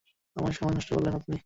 আমার সময় নষ্ট করলেন আপনি।